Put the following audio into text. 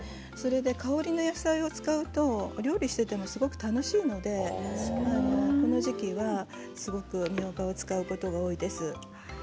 香りの野菜を使うとお料理をしていてもすごく楽しいのでこの時期はみょうがを使うことが多いです。